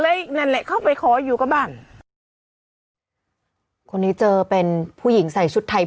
นั่นแหละเข้าไปขออยู่กับบ้านคนนี้เจอเป็นผู้หญิงใส่ชุดไทย